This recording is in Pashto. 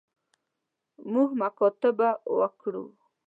موږ مکاتبه وکړو.